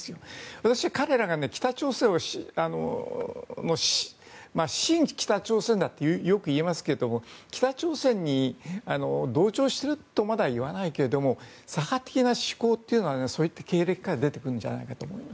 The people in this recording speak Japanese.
私は彼らが北朝鮮親北朝鮮だってよく言いますが北朝鮮に同調してるとまでは言わないけれども左派的な思考というのはそういった経歴から出てくるんじゃないかなと思います。